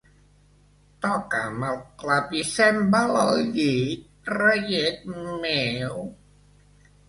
Toca'm el clavicèmbal al llit, reiet meu.